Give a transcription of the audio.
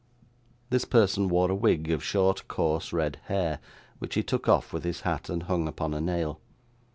This person wore a wig of short, coarse, red hair, which he took off with his hat, and hung upon a nail.